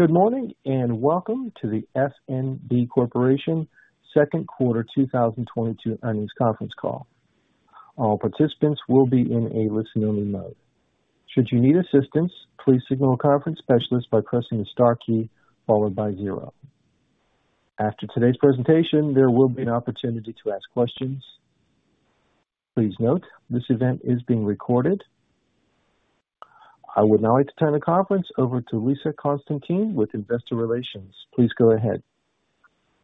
Good morning, and welcome to the F.N.B. Corporation Q2 2022 Earnings Conference Call. All participants will be in a listen-only mode. Should you need assistance, please signal a conference specialist by pressing the star key followed by zero. After today's presentation, there will be an opportunity to ask questions. Please note, this event is being recorded. I would now like to turn the conference over to Lisa Constantine with Investor Relations. Please go ahead.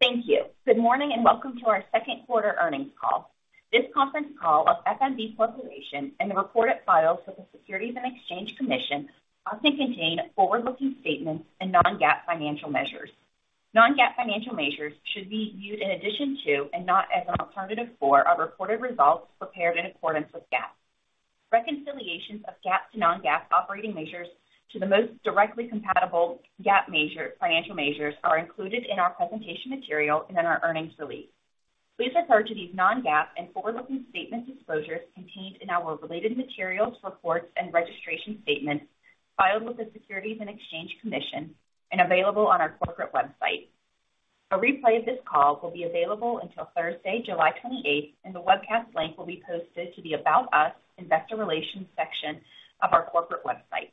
Thank you. Good morning, and welcome to our Q2 earnings call. This conference call of F.N.B. Corporation and the reports filed with the Securities and Exchange Commission also contain forward-looking statements and non-GAAP financial measures. Non-GAAP financial measures should be viewed in addition to and not as an alternative for our reported results prepared in accordance with GAAP. Reconciliations of GAAP to non-GAAP operating measures to the most directly comparable GAAP measure, financial measures are included in our presentation material and in our earnings release. Please refer to these non-GAAP and forward-looking statement disclosures contained in our related materials, reports, and registration statements filed with the Securities and Exchange Commission and available on our corporate website. A replay of this call will be available until Thursday, July 28, and the webcast link will be posted to the About Us, Investor Relations section of our corporate website.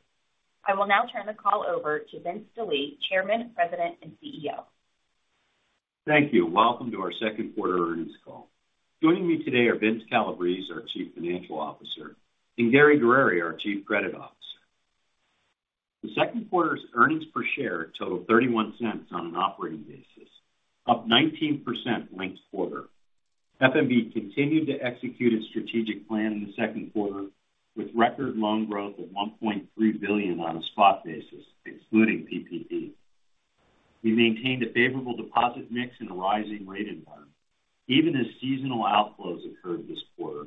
I will now turn the call over to Vincent J. Delie, Jr., Chairman, President, and CEO. Thank you. Welcome to our Q2 earnings call. Joining me today are Vince Calabrese, our Chief Financial Officer, and Gary Guerreri, our Chief Credit Officer. The Q2 earnings per share totaled $0.31 on an operating basis, up 19% linked-quarter. F.N.B. continued to execute its strategic plan in the Q2 with record loan growth of $1.3 billion on a spot basis, excluding PPP. We maintained a favorable deposit mix in a rising rate environment even as seasonal outflows occurred this quarter.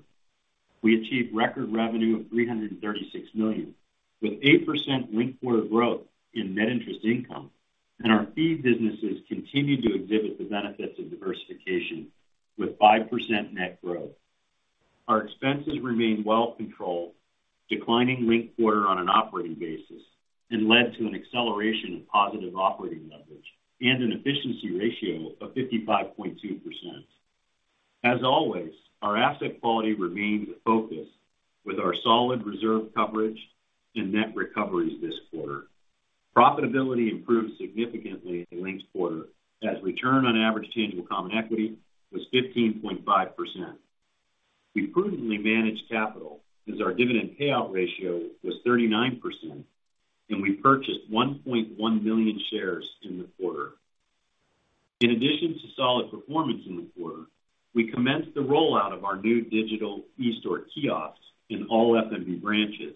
We achieved record revenue of $336 million, with 8% linked-quarter growth in net interest income, and our fee businesses continued to exhibit the benefits of diversification with 5% net growth. Our expenses remained well controlled, declining linked-quarter on an operating basis, and led to an acceleration of positive operating leverage and an efficiency ratio of 55.2%. As always, our asset quality remains a focus with our solid reserve coverage and net recoveries this quarter. Profitability improved significantly in the linked-quarter as return on average tangible common equity was 15.5%. We prudently managed capital as our dividend payout ratio was 39%, and we purchased 1.1 million shares in the quarter. In addition to solid performance in the quarter, we commenced the rollout of our new digital eStore kiosks in all F.N.B. branches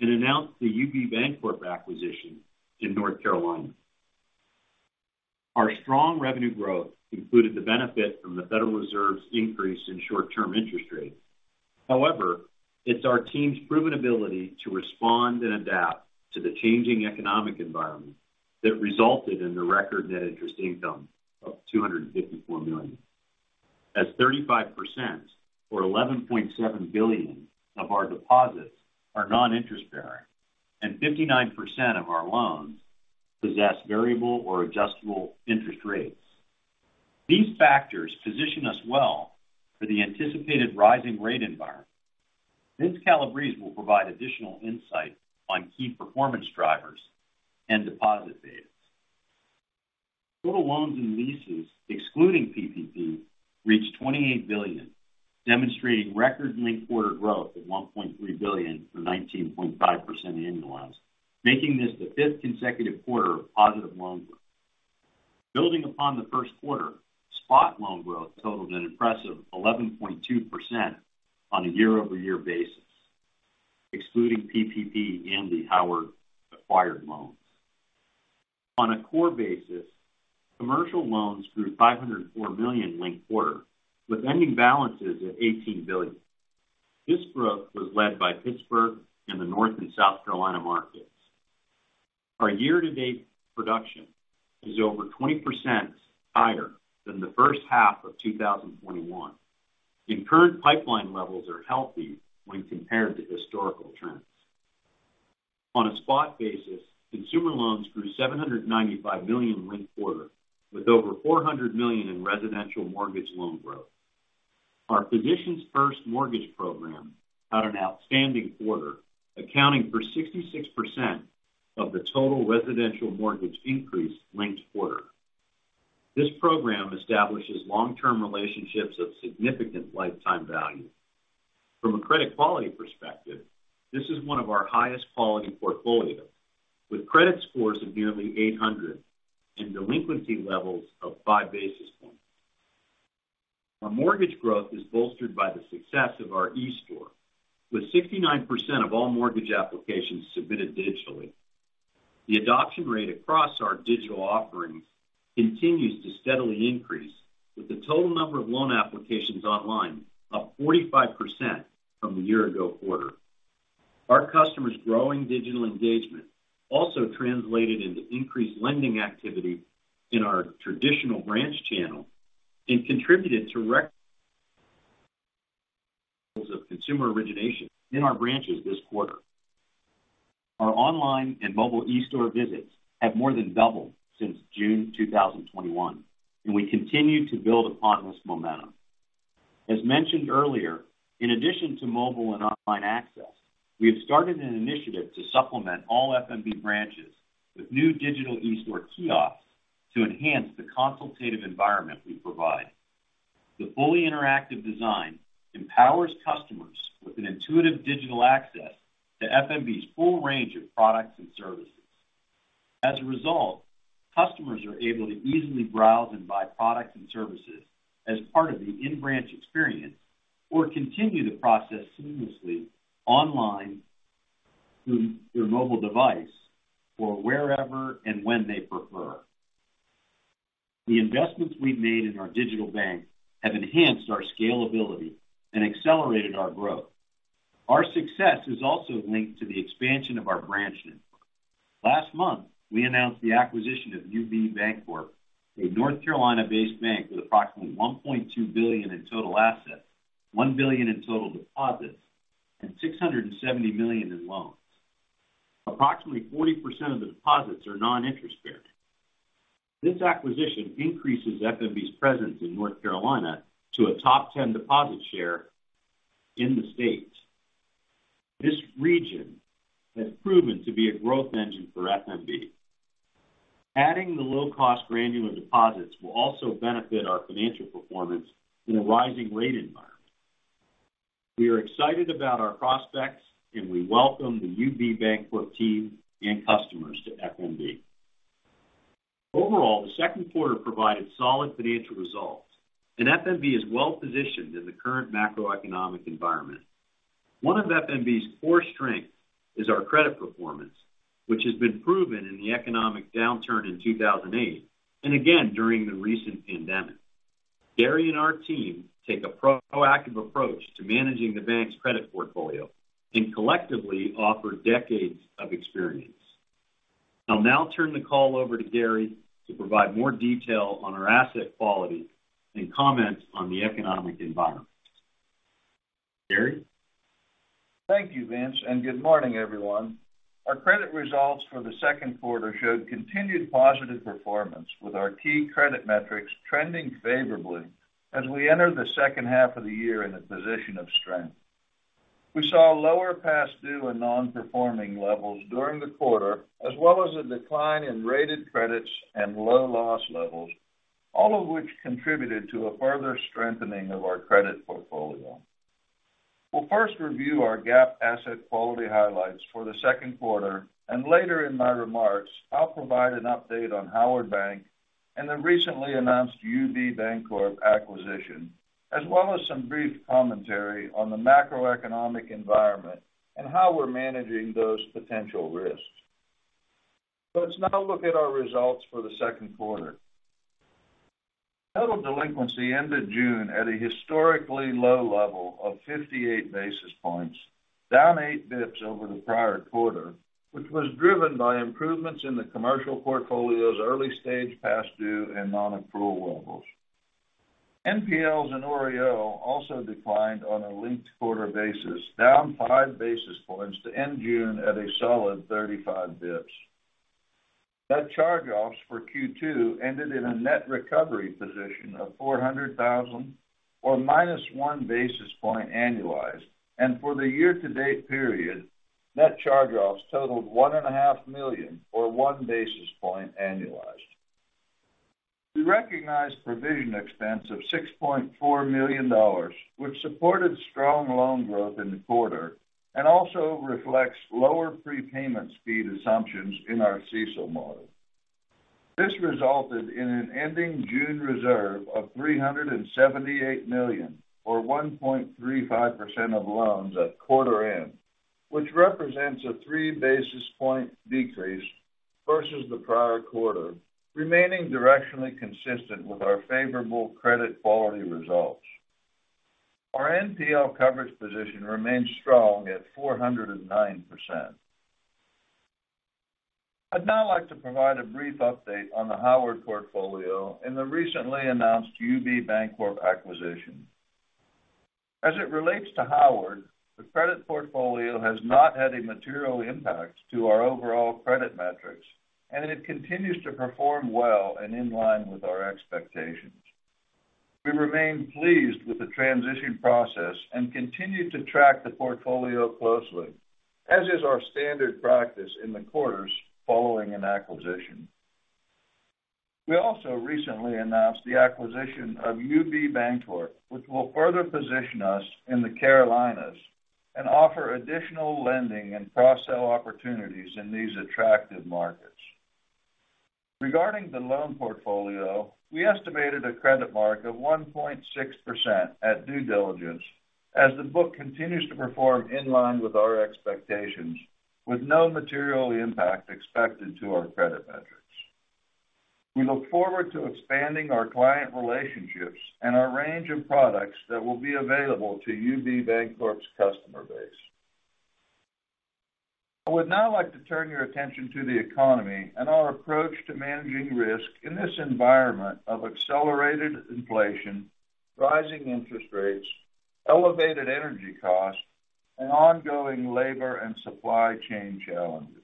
and announced the UB Bancorp acquisition in North Carolina. Our strong revenue growth included the benefit from the Federal Reserve's increase in short-term interest rates. However, it's our team's proven ability to respond and adapt to the changing economic environment that resulted in the record net interest income of $254 million. 35% or $11.7 billion of our deposits are non-interest bearing and 59% of our loans possess variable or adjustable interest rates. These factors position us well for the anticipated rising rate environment. Vince Calabrese will provide additional insight on key performance drivers and deposit betas. Total loans and leases, excluding PPP, reached $28 billion, demonstrating record linked quarter growth of $1.3 billion or 19.5% annualized, making this the fifth consecutive quarter of positive loan growth. Building upon the first quarter, spot loan growth totaled an impressive 11.2% on a year-over-year basis, excluding PPP and the Howard acquired loans. On a core basis, commercial loans grew $504 million linked quarter, with ending balances at $18 billion. This growth was led by Pittsburgh and the North and South Carolina markets. Our year-to-date production is over 20% higher than the H1 of 2021, and current pipeline levels are healthy when compared to historical trends. On a spot basis, consumer loans grew $795 million linked quarter, with over $400 million in residential mortgage loan growth. Our Physicians First mortgage program had an outstanding quarter, accounting for 66% of the total residential mortgage increase linked quarter. This program establishes long-term relationships of significant lifetime value. From a credit quality perspective, this is one of our highest quality portfolio, with credit scores of nearly 800 and delinquency levels of 5 basis points. Our mortgage growth is bolstered by the success of our eStore, with 69% of all mortgage applications submitted digitally. The adoption rate across our digital offerings continues to steadily increase, with the total number of loan applications online up 45% from the year-ago quarter. Our customers' growing digital engagement also translated into increased lending activity in our traditional branch channel and contributed to record consumer origination in our branches this quarter. Our online and mobile eStore visits have more than doubled since June 2021, and we continue to build upon this momentum. As mentioned earlier, in addition to mobile and online access, we have started an initiative to supplement all F.N.B. branches with new digital eStore kiosks to enhance the consultative environment we provide. The fully interactive design empowers customers with an intuitive digital access to F.N.B.'s full range of products and services. As a result, customers are able to easily browse and buy products and services as part of the in-branch experience, or continue the process seamlessly online through their mobile device for wherever and when they prefer. The investments we've made in our digital bank have enhanced our scalability and accelerated our growth. Our success is also linked to the expansion of our branch network. Last month, we announced the acquisition of UB Bancorp, a North Carolina-based bank with approximately $1.2 billion in total assets, $1 billion in total deposits, and $670 million in loans. Approximately 40% of the deposits are non-interest bearing. This acquisition increases F.N.B.'s presence in North Carolina to a top 10 deposit share in the state. This region has proven to be a growth engine for F.N.B.. Adding the low-cost granular deposits will also benefit our financial performance in a rising rate environment. We are excited about our prospects, and we welcome the UB Bancorp team and customers to F.N.B.. Overall, the second quarter provided solid financial results, and F.N.B. is well positioned in the current macroeconomic environment. One of F.N.B.'s core strengths is our credit performance, which has been proven in the economic downturn in 2008 and again during the recent pandemic. Gary and our team take a proactive approach to managing the bank's credit portfolio and collectively offer decades of experience. I'll now turn the call over to Gary to provide more detail on our asset quality and comment on the economic environment. Gary? Thank you, Vince, and good morning, everyone. Our credit results for the second quarter showed continued positive performance with our key credit metrics trending favorably as we enter the H2 of the year in a position of strength. We saw lower past due and non-performing levels during the quarter, as well as a decline in rated credits and low loss levels, all of which contributed to a further strengthening of our credit portfolio. We'll first review our GAAP asset quality highlights for the second quarter, and later in my remarks, I'll provide an update on Howard Bank and the recently announced UB Bancorp acquisition, as well as some brief commentary on the macroeconomic environment and how we're managing those potential risks. Let's now look at our results for the second quarter. Total delinquency ended June at a historically low level of 58 basis points, down 8 basis points over the prior quarter, which was driven by improvements in the commercial portfolio's early-stage past due and non-accrual levels. NPLs and OREO also declined on a linked quarter basis, down 5 basis points to end June at a solid 35 basis points. Net charge-offs for Q2 ended in a net recovery position of $400,000 or minus one basis point annualized. For the year-to-date period, net charge-offs totaled $1.5 million or one basis point annualized. We recognized provision expense of $6.4 million, which supported strong loan growth in the quarter and also reflects lower prepayment speed assumptions in our CECL model. This resulted in an ending June reserve of $378 million or 1.35% of loans at quarter end, which represents a 3 basis points decrease versus the prior quarter, remaining directionally consistent with our favorable credit quality results. Our NPL coverage position remains strong at 409%. I'd now like to provide a brief update on the Howard portfolio and the recently announced UB Bancorp acquisition. As it relates to Howard, the credit portfolio has not had a material impact to our overall credit metrics, and it continues to perform well and in line with our expectations. We remain pleased with the transition process and continue to track the portfolio closely, as is our standard practice in the quarters following an acquisition. We also recently announced the acquisition of UB Bancorp, which will further position us in the Carolinas and offer additional lending and cross-sell opportunities in these attractive markets. Regarding the loan portfolio, we estimated a credit mark of 1.6% at due diligence as the book continues to perform in line with our expectations, with no material impact expected to our credit metrics. We look forward to expanding our client relationships and our range of products that will be available to UB Bancorp's customer base. I would now like to turn your attention to the economy and our approach to managing risk in this environment of accelerated inflation, rising interest rates, elevated energy costs, and ongoing labor and supply chain challenges.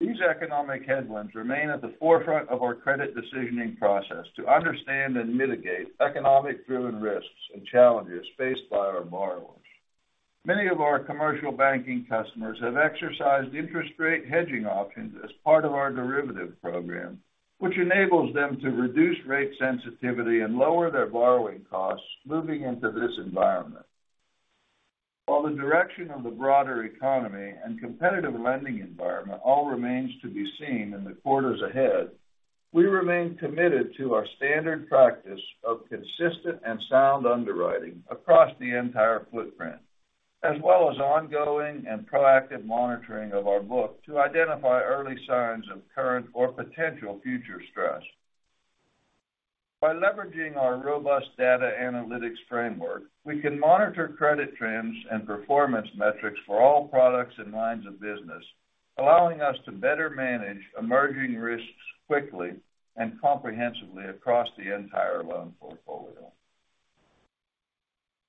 These economic headwinds remain at the forefront of our credit decisioning process to understand and mitigate economic-driven risks and challenges faced by our borrowers. Many of our commercial banking customers have exercised interest rate hedging options as part of our derivative program, which enables them to reduce rate sensitivity and lower their borrowing costs moving into this environment. While the direction of the broader economy and competitive lending environment all remains to be seen in the quarters ahead, we remain committed to our standard practice of consistent and sound underwriting across the entire footprint, as well as ongoing and proactive monitoring of our book to identify early signs of current or potential future stress. By leveraging our robust data analytics framework, we can monitor credit trends and performance metrics for all products and lines of business, allowing us to better manage emerging risks quickly and comprehensively across the entire loan portfolio.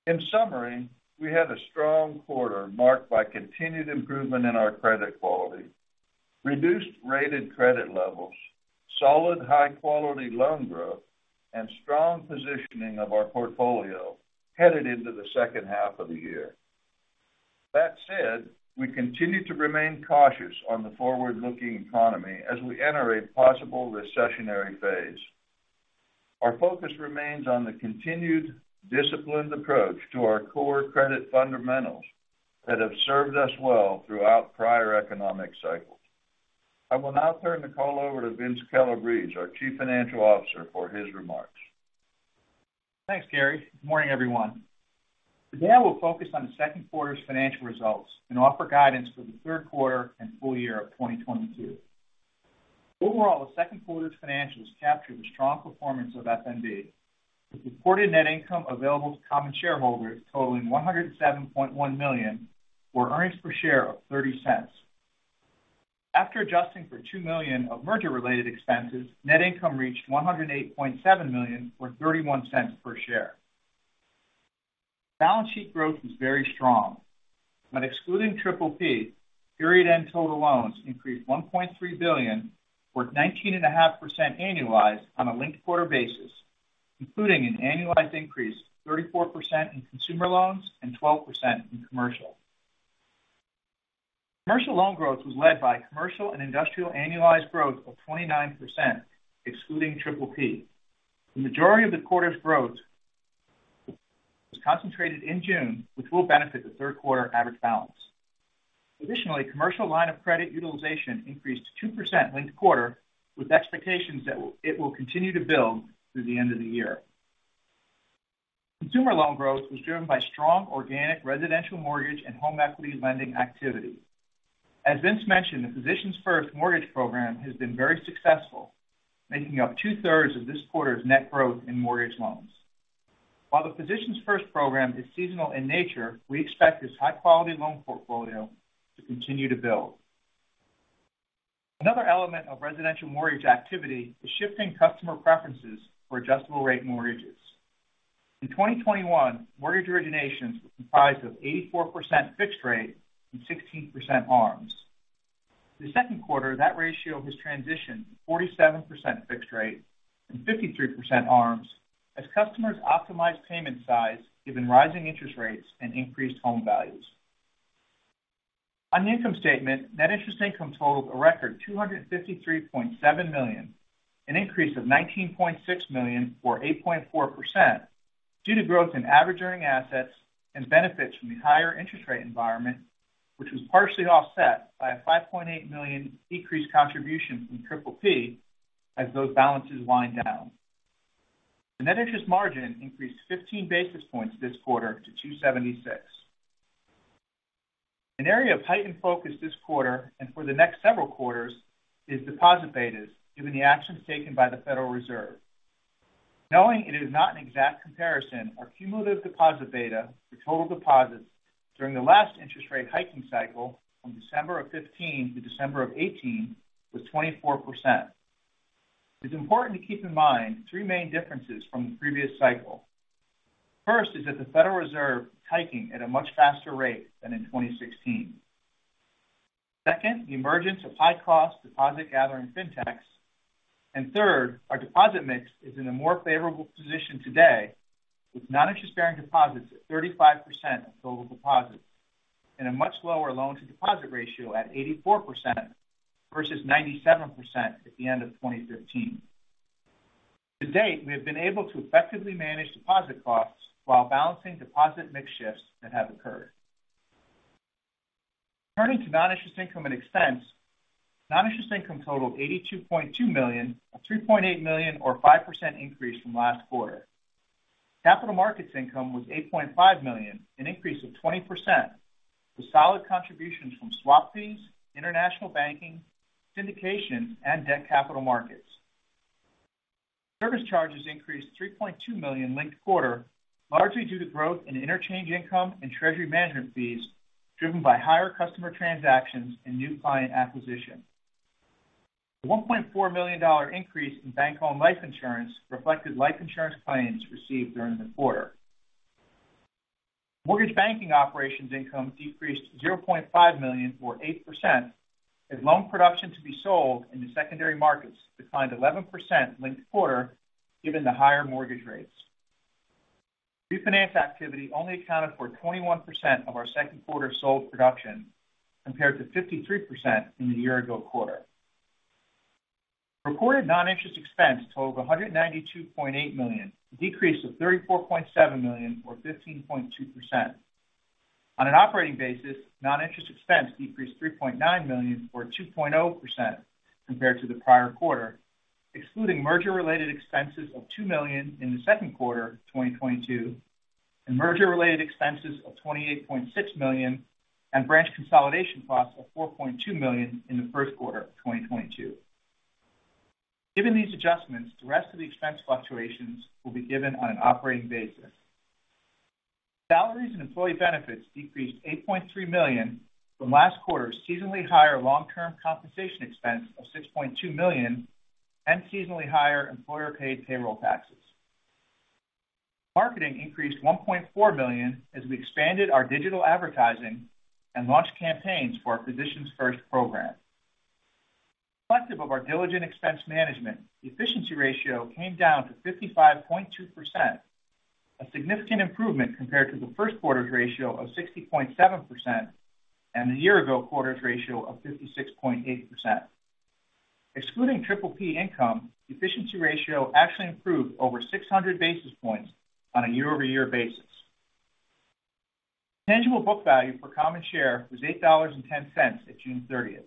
In summary, we had a strong quarter marked by continued improvement in our credit quality, reduced rated credit levels, solid high-quality loan growth, and strong positioning of our portfolio headed into the H2 of the year. That said, we continue to remain cautious on the forward-looking economy as we enter a possible recessionary phase. Our focus remains on the continued disciplined approach to our core credit fundamentals that have served us well throughout prior economic cycles. I will now turn the call over to Vince Calabrese, our Chief Financial Officer, for his remarks. Thanks, Gary. Good morning, everyone. Today, I will focus on the second quarter's financial results and offer guidance for the Q3 and full-year of 2022. Overall, the Q2 financials capture the strong performance of F.N.B., with reported net income available to common shareholders totaling $107.1 million, or earnings per share of $0.30. After adjusting for $2 million of merger-related expenses, net income reached $108.7 million, or $0.31 per share. Balance sheet growth was very strong. When excluding PPP, period end total loans increased $1.3 billion, or 19.5% annualized on a linked quarter basis, including an annualized increase of 34% in consumer loans and 12% in commercial. Commercial loan growth was led by commercial and industrial annualized growth of 29%, excluding PPP. The majority of the quarter's growth was concentrated in June, which will benefit the Q3 average balance. Additionally, commercial line of credit utilization increased 2% linked quarter, with expectations that it will continue to build through the end of the year. Consumer loan growth was driven by strong organic residential mortgage and home equity lending activity. As Vince mentioned, the Physicians First mortgage program has been very successful, making up two-thirds of this quarter's net growth in mortgage loans. While the Physicians First program is seasonal in nature, we expect this high-quality loan portfolio to continue to build. Another element of residential mortgage activity is shifting customer preferences for adjustable rate mortgages. In 2021, mortgage originations comprised of 84% fixed rate and 16% ARMs. In the Q2, that ratio has transitioned to 47% fixed rate and 53% ARMs as customers optimize payment size given rising interest rates and increased home values. On the income statement, net interest income totaled a record $253.7 million, an increase of $19.6 million, or 8.4%, due to growth in average earning assets and benefits from the higher interest rate environment, which was partially offset by a $5.8 million decreased contribution from PPP as those balances wind down. The net interest margin increased 15 basis points this quarter to 2.76%. An area of heightened focus this quarter, and for the next several quarters, is deposit betas, given the actions taken by the Federal Reserve. Knowing it is not an exact comparison, our cumulative deposit beta for total deposits during the last interest rate hiking cycle from December 2015 to December 2018 was 24%. It's important to keep in mind three main differences from the previous cycle. First is that the Federal Reserve hiking at a much faster rate than in 2016. Second, the emergence of high-cost deposit gathering fintechs. Third, our deposit mix is in a more favorable position today with non-interest bearing deposits at 35% of total deposits and a much lower loan to deposit ratio at 84% versus 97% at the end of 2015. To date, we have been able to effectively manage deposit costs while balancing deposit mix shifts that have occurred. Turning to non-interest income and expense. Non-interest income totaled $82.2 million, a $3.8 million or 5% increase from last quarter. Capital markets income was $8.5 million, an increase of 20% to solid contributions from swap fees, international banking, syndication, and debt capital markets. Service charges increased to $3.2 million linked quarter, largely due to growth in interchange income and treasury management fees driven by higher customer transactions and new client acquisition. The $1.4 million increase in bank-owned life insurance reflected life insurance claims received during the quarter. Mortgage banking operations income decreased $0.5 million or 8% as loan production to be sold in the secondary markets declined 11% linked quarter given the higher mortgage rates. Refinance activity only accounted for 21% of our Q2 sold production compared to 53% in the year ago quarter. Recorded non-interest expense totaled $192.8 million, a decrease of $34.7 million or 15.2%. On an operating basis, non-interest expense decreased $3.9 million or 2.0% compared to the prior quarter. Excluding merger related expenses of $2 million in the second quarter of 2022, and merger related expenses of $28.6 million and branch consolidation costs of $4.2 million in the Q1 2022. Given these adjustments, the rest of the expense fluctuations will be given on an operating basis. Salaries and employee benefits decreased $8.3 million from last quarter's seasonally higher long-term compensation expense of $6.2 million and seasonally higher employer paid payroll taxes. Marketing increased $1.4 million as we expanded our digital advertising and launched campaigns for our Physicians First program. Reflective of our diligent expense management, the efficiency ratio came down to 55.2%, a significant improvement compared to the first quarter's ratio of 60.7% and a year-ago quarter's ratio of 56.8%. Excluding PPP income, the efficiency ratio actually improved over 600 basis points on a year-over-year basis. Tangible book value per common share was $8.10 at June 30,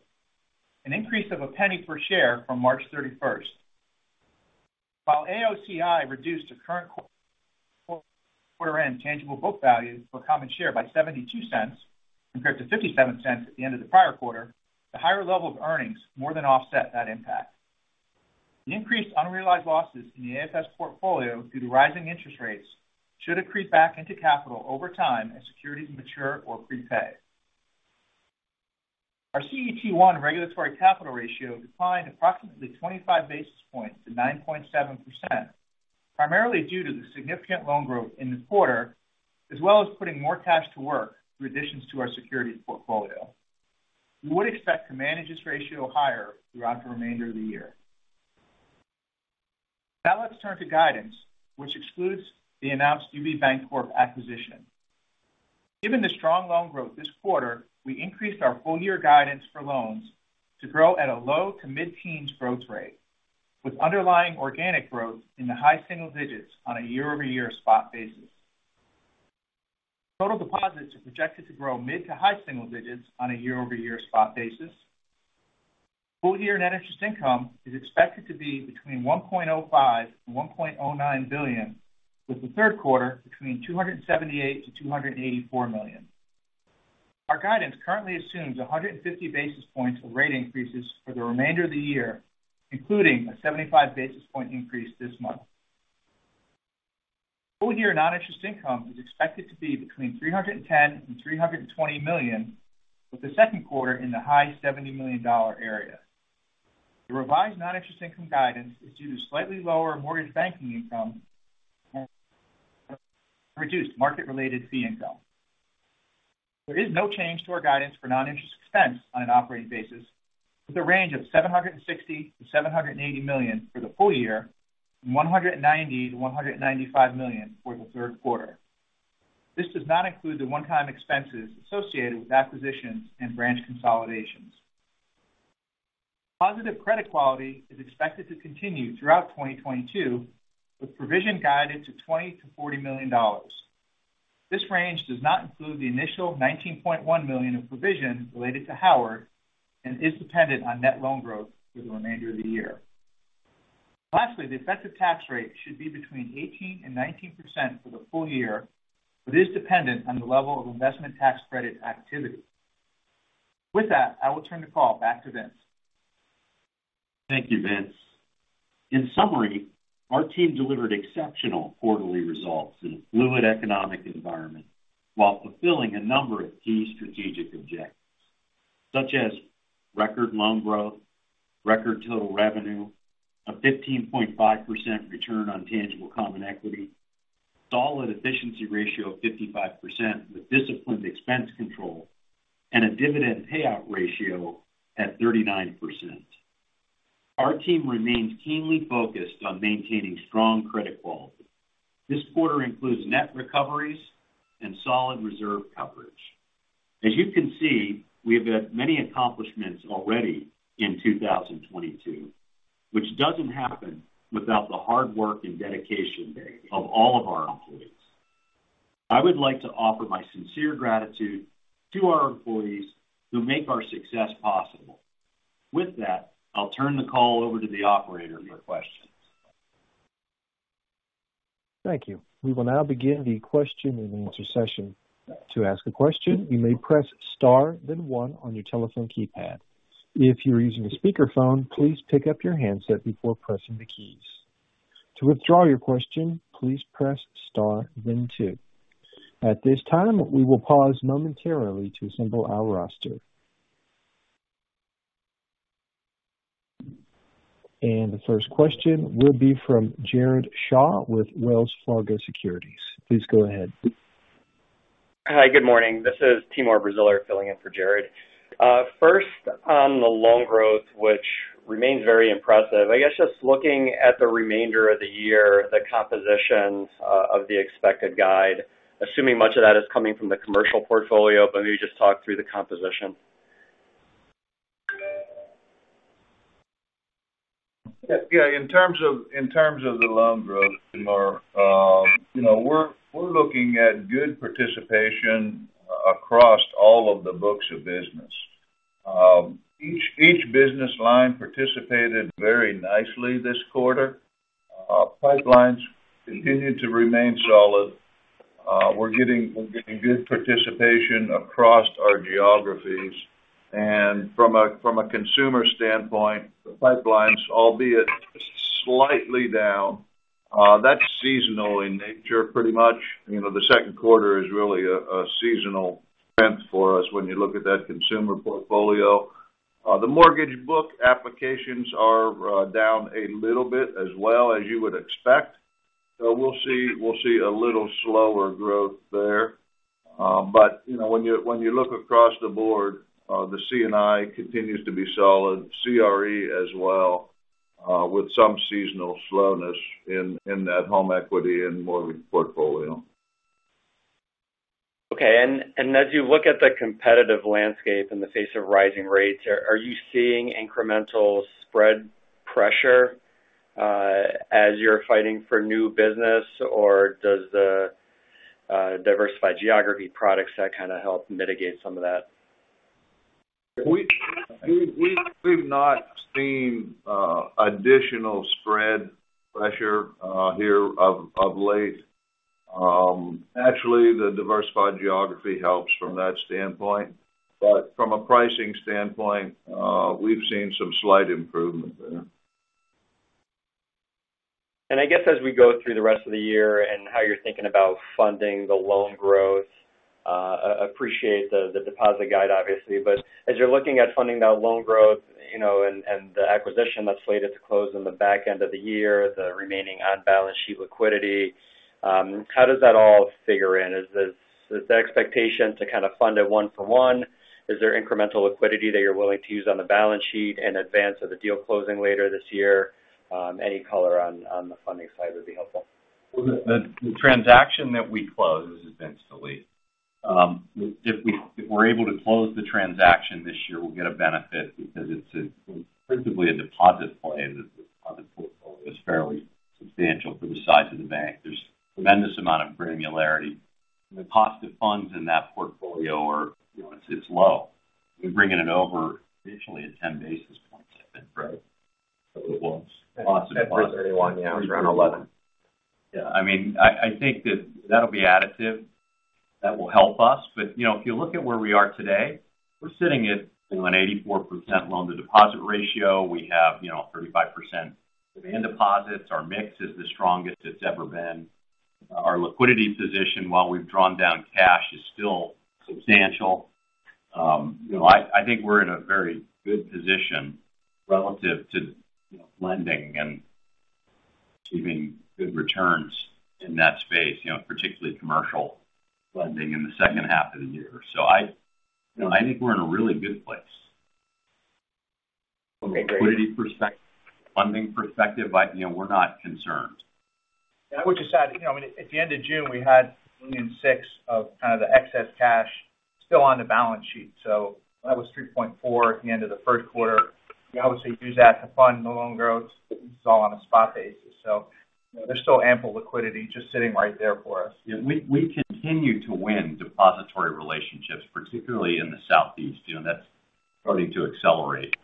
an increase of $0.01 per share from March 31. While AOCI reduced to current quarter end tangible book value for common share by $0.72 compared to $0.57 at the end of the prior quarter, the higher level of earnings more than offset that impact. The increased unrealized losses in the AFS portfolio due to rising interest rates should accrete back into capital over time as securities mature or prepay. Our CET1 regulatory capital ratio declined approximately 25 basis points to 9.7%, primarily due to the significant loan growth in the quarter, as well as putting more cash to work through additions to our securities portfolio. We would expect to manage this ratio higher throughout the remainder of the year. Now let's turn to guidance, which excludes the announced UB Bancorp acquisition. Given the strong loan growth this quarter, we increased our full-year guidance for loans to grow at a low- to mid-teens growth rate, with underlying organic growth in the high single digits on a year-over-year spot basis. Total deposits are projected to grow mid to high single digits on a year-over-year spot basis. Full year net interest income is expected to be between $1.05 and $1.09 billion, with the Q3 between $278-$284 million. Our guidance currently assumes 150 basis points of rate increases for the remainder of the year, including a 75 basis point increase this month. Full-year non-interest income is expected to be between $310 and $320 million, with the Q2 in the high $70 million area. The revised non-interest income guidance is due to slightly lower mortgage banking income and reduced market related fee income. There is no change to our guidance for non-interest expense on an operating basis with a range of $760 million-$780 million for the full year and $190 million-$195 million for the Q3. This does not include the one-time expenses associated with acquisitions and branch consolidations. Positive credit quality is expected to continue throughout 2022, with provision guided to $20 million-$40 million. This range does not include the initial $19.1 million in provision related to Howard and is dependent on net loan growth through the remainder of the year. Lastly, the effective tax rate should be between 18% and 19% for the full-year, but is dependent on the level of investment tax credit activity. With that, I will turn the call back to Vince. Thank you, Vince. In summary, our team delivered exceptional quarterly results in a fluid economic environment while fulfilling a number of key strategic objectives, such as record loan growth, record total revenue, a 15.5% return on tangible common equity, solid efficiency ratio of 55% with disciplined expense control, and a dividend payout ratio at 39%. Our team remains keenly focused on maintaining strong credit quality. This quarter includes net recoveries and solid reserve coverage. As you can see, we have had many accomplishments already in 2022, which doesn't happen without the hard work and dedication of all of our employees. I would like to offer my sincere gratitude to our employees who make our success possible. With that, I'll turn the call over to the operator for questions. Thank you. We will now begin the question and answer session. To ask a question, you may press star, then one on your telephone keypad. If you're using a speakerphone, please pick up your handset before pressing the keys. To withdraw your question, please press star then two. At this time, we will pause momentarily to assemble our roster. The first question will be from Jared Shaw with Wells Fargo Securities. Please go ahead. Hi, good morning. This is Timur Braziler filling in for Jared. First on the loan growth, which remains very impressive. I guess, just looking at the remainder of the year, the composition of the expected guide, assuming much of that is coming from the commercial portfolio, but maybe just talk through the composition. Yeah. In terms of the loan growth, Timur, you know, we're looking at good participation across all of the books of business. Each business line participated very nicely this quarter. Pipelines continued to remain solid. We're getting good participation across our geographies. From a consumer standpoint, the pipelines, albeit slightly down, that's seasonal in nature, pretty much. You know, the second quarter is really a seasonal trend for us when you look at that consumer portfolio. The mortgage book applications are down a little bit as well as you would expect. We'll see a little slower growth there. You know, when you look across the board, the C&I continues to be solid, CRE as well, with some seasonal slowness in that home equity and mortgage portfolio. Okay. As you look at the competitive landscape in the face of rising rates, are you seeing incremental spread pressure as you're fighting for new business? Or does the diversified geography products that kind of help mitigate some of that? We've not seen additional spread pressure here of late. Actually, the diversified geography helps from that standpoint. From a pricing standpoint, we've seen some slight improvement there. I guess as we go through the rest of the year and how you're thinking about funding the loan growth, appreciate the deposit guide obviously. But as you're looking at funding that loan growth, and the acquisition that's slated to close in the back end of the year, the remaining on balance sheet liquidity, how does that all figure in? Is the expectation to kind of fund it one for one? Is there incremental liquidity that you're willing to use on the balance sheet in advance of the deal closing later this year? Any color on the funding side would be helpful. Well, the transaction that we close eventually, if we're able to close the transaction this year, we'll get a benefit because it's principally a deposit play. The deposit portfolio is fairly substantial for the size of the bank. There's tremendous amount of granularity. The cost of funds in that portfolio are, it's low. We bring it in over potentially at 10 basis points, I think, right? It was cost plus- Approximately 10 plus 31 basis points. The combine rate is approximately 41 basis points.I think that that'll be additive. That will help us. You know, if you look at where we are today, we're sitting at, you know, an 84% loan-to-deposit ratio. We have, 35% demand deposits. Our mix is the strongest it's ever been. Our liquidity position, while we've drawn down cash, is still substantial. I think we're in a very good position relative to, you know, lending and achieving good returns in that space, you know, particularly commercial lending in the H2 of the year. I think we're in a really good place. Okay, great. From a liquidity perspective, funding perspective, we're not concerned. I would just add, I mean, at the end of June, we had $1.6 billion of kind of the excess cash still on the balance sheet. That was $3.4 billion at the end of the Q1. We obviously use that to fund the loan growth. It's all on a spot basis. There's still ample liquidity just sitting right there for us. Yeah. We continue to win depository relationships, particularly in the Southeast. That's starting to accelerate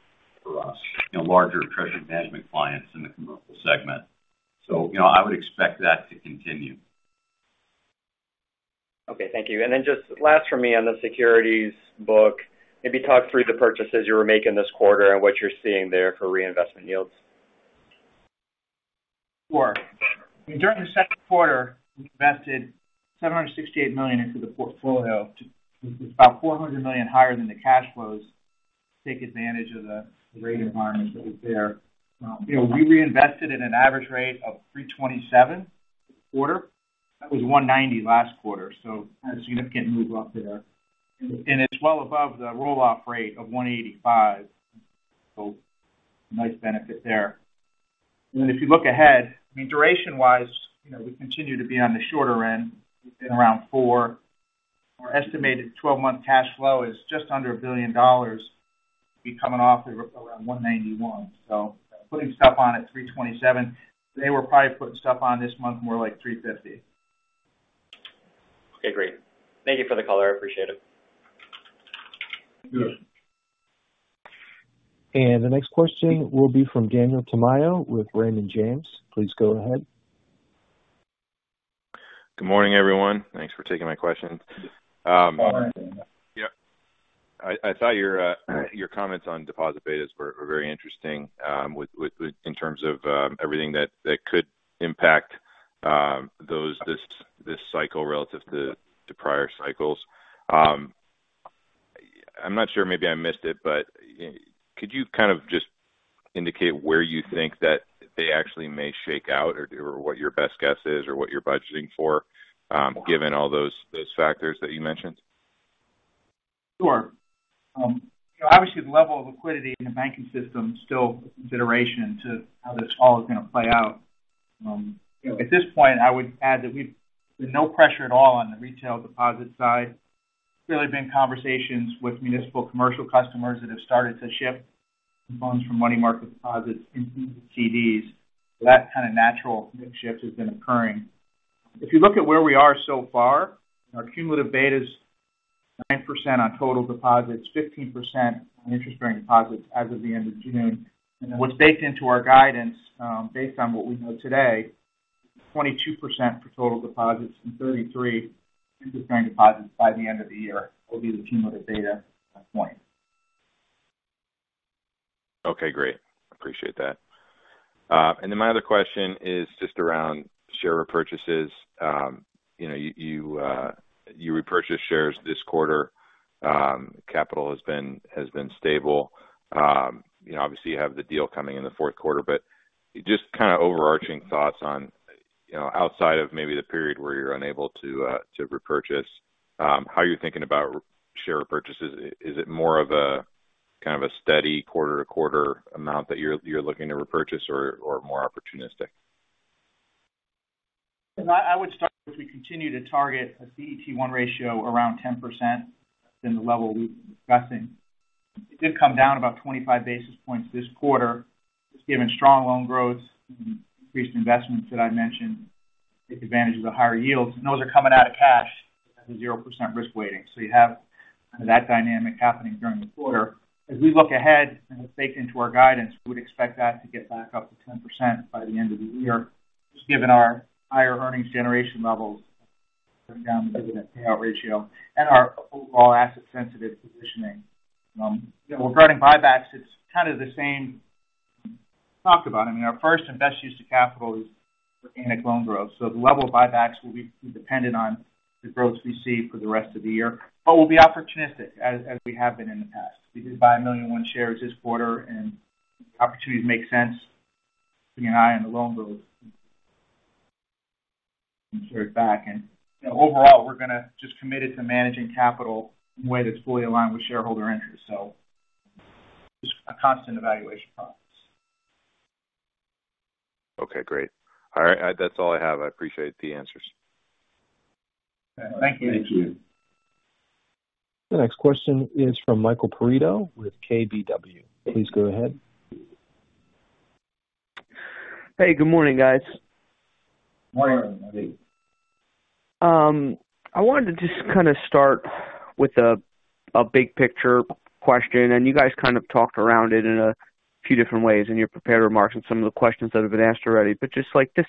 for us, larger treasury management clients in the commercial segment. I would expect that to continue. Okay. Thank you. Just last for me on the securities book, maybe talk through the purchases you were making this quarter and what you're seeing there for reinvestment yields. Sure. During the Q2, we invested $768 million into the portfolio. It's about $400 million higher than the cash flows to take advantage of the rate environment that was there. We reinvested at an average rate of 3.27% this quarter. That was 1.90% last quarter. A significant move up there. It's well above the roll-off rate of 1.85%. Nice benefit there. If you look ahead, I mean, duration-wise, we continue to be on the shorter end. We've been around four. Our estimated 12-month cash flow is just under $1 billion. We'll be coming off at around 1.91%. Putting stuff on at 3.27%. Today, we're probably putting stuff on this month more like 3.50%. Okay, great. Thank you for the color. I appreciate it. Yes. The next question will be from Daniel Tamayo with Raymond James. Please go ahead. Good morning, everyone. Thanks for taking my questions. Good morning. Yeah. I thought your comments on deposit betas were very interesting in terms of everything that could impact this cycle relative to prior cycles. I'm not sure maybe I missed it, but could you kind of just indicate where you think that they actually may shake out or what your best guess is or what you're budgeting for, given all those factors that you mentioned? Sure. Obviously the level of liquidity in the banking system is still a consideration to how this all is going to play out. At this point, I would add that we've no pressure at all on the retail deposit side. We've really been having conversations with municipal commercial customers that have started to shift funds from money market deposits into CDs. That kind of natural mix shift has been occurring. If you look at where we are so far, our cumulative beta is 9% on total deposits, 15% on interest-bearing deposits as of the end of June. What's baked into our guidance, based on what we know today, 22% for total deposits and 33% for interest-bearing deposits by the end of the year will be the cumulative beta at that point. Okay, great. Appreciate that. My other question is just around share repurchases. You know, you repurchased shares this quarter. Capital has been stable. Obviously you have the deal coming in the Q4, but just kind of overarching thoughts on, outside of maybe the period where you're unable to repurchase, how you're thinking about share repurchases. Is it more of a kind of a steady quarter-to-quarter amount that you're looking to repurchase or more opportunistic? I would start if we continue to target a CET1 ratio around 10% than the level we've been discussing. It did come down about 25 basis points this quarter, just given strong loan growth and increased investments that I mentioned, take advantage of the higher yields. Those are coming out of cash as a 0% risk weighting. You have kind of that dynamic happening during the quarter. As we look ahead and have baked into our guidance, we would expect that to get back up to 10% by the end of the year, just given our higher earnings generation levels, putting down the dividend payout ratio and our overall asset sensitive positioning. Regarding buybacks, it's kind of the same we talked about. I mean, our first and best use of capital is organic loan growth. The level of buybacks will be dependent on the growth we see for the rest of the year. We'll be opportunistic as we have been in the past. We did buy 1,001 shares this quarter and opportunities make sense. Keeping an eye on the loan growth. Convert back. Overall we're going to just commit it to managing capital in a way that's fully aligned with shareholder interest. Just a constant evaluation process. Okay, great. All right. That's all I have. I appreciate the answers. Thank you. The next question is from Michael Perito with KBW. Please go ahead. Hey, good morning, guys. Morning. I wanted to just kind of start with a big picture question, and you guys kind of talked around it in a few different ways in your prepared remarks and some of the questions that have been asked already. Just like this,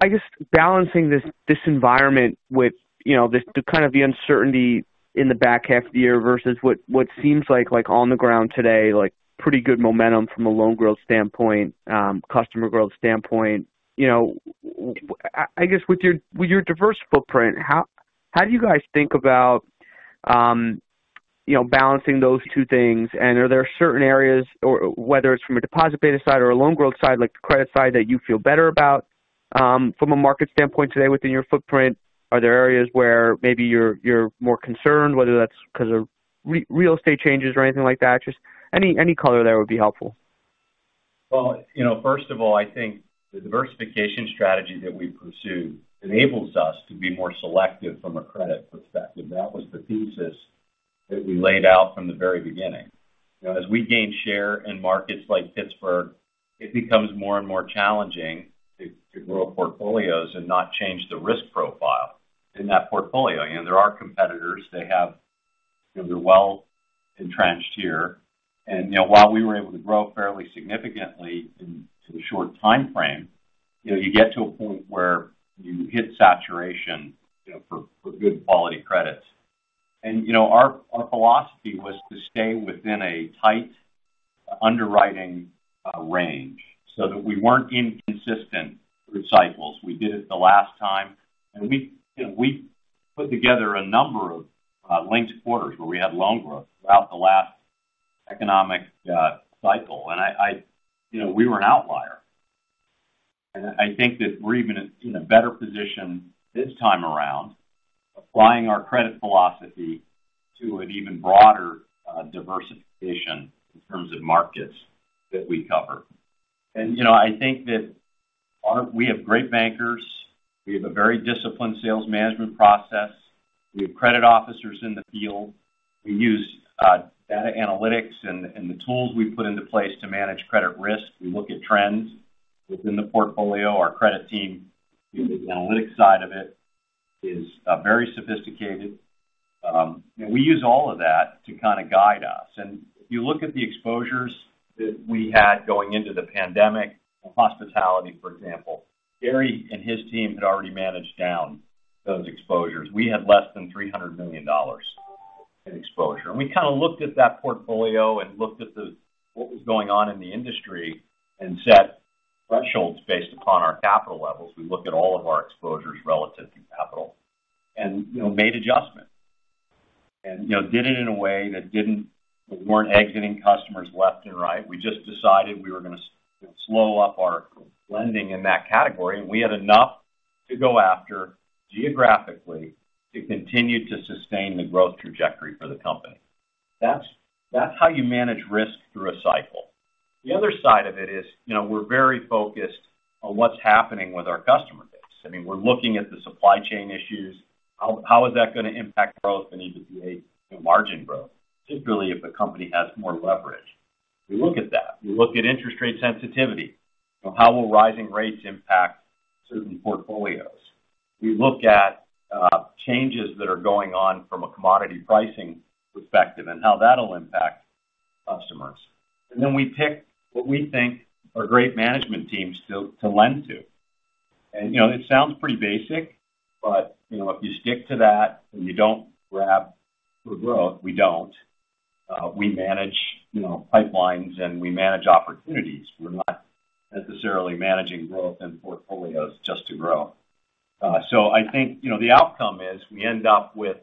I guess balancing this environment with, the kind of uncertainty in the back half of the year versus what seems like on the ground today, like pretty good momentum from a loan growth standpoint, customer growth standpoint. You know, I guess with your diverse footprint, how do you guys think about, balancing those two things? Are there certain areas or whether it's from a deposit beta side or a loan growth side, like the credit side that you feel better about, from a market standpoint today within your footprint? Are there areas where maybe you're more concerned whether that's because of real estate changes or anything like that? Just any color there would be helpful. Well, first of all, I think the diversification strategy that we pursue enables us to be more selective from a credit perspective. That was the thesis that we laid out from the very beginning. As we gain share in markets like Pittsburgh, it becomes more and more challenging to grow portfolios and not change the risk profile in that portfolio. There are competitors, they have, you know, they're well-entrenched here. While we were able to grow fairly significantly in a short timeframe, you get to a point where you hit saturation, for good quality credits. Our philosophy was to stay within a tight underwriting range so that we weren't inconsistent through cycles. We did it the last time. We, you know, we put together a number of linked quarters where we had loan growth throughout the last economic cycle. We were an outlier. I think that we're even in a better position this time around, applying our credit philosophy to an even broader diversification in terms of markets that we cover. I think that we have great bankers. We have a very disciplined sales management process. We have credit officers in the field. We use data analytics and the tools we put into place to manage credit risk. We look at trends within the portfolio. Our credit team uses the analytics side of it. It is very sophisticated. We use all of that to kind of guide us. If you look at the exposures that we had going into the pandemic, hospitality, for example, Gary and his team had already managed down those exposures. We had less than $300 million in exposure. We kind of looked at that portfolio and looked at what was going on in the industry and set thresholds based upon our capital levels. We looked at all of our exposures relative to capital and, you know, made adjustments. Did it in a way that we weren't exiting customers left and right. We just decided we were gonna slow up our lending in that category. We had enough to go after geographically to continue to sustain the growth trajectory for the company. That's how you manage risk through a cycle. The other side of it is, we're very focused on what's happening with our customer base. I mean, we're looking at the supply chain issues. How is that gonna impact growth and EBITDA and margin growth, particularly if the company has more leverage? We look at that. We look at interest rate sensitivity. You know, how will rising rates impact certain portfolios? We look at changes that are going on from a commodity pricing perspective and how that'll impact customers. We pick what we think are great management teams to lend to.It sounds pretty basic, but, if you stick to that and you don't grab for growth, we don't. We manage, pipelines, and we manage opportunities. We're not necessarily managing growth and portfolios just to grow. I think, the outcome is we end up with,